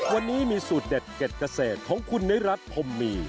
วันนี้มีสูตรเด็ดเก็ดเกษตรของคุณนิรัติพรมมี